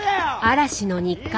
嵐の日課。